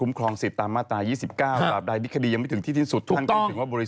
คุ้มครองศิษย์ตามมาตรายิ้วสิบเก้า